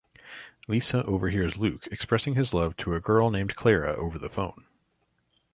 Lisa overhears Luke expressing his love to a girl named Clara over the phone.